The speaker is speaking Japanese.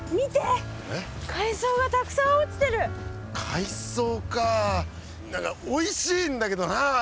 海藻かおいしいんだけどな。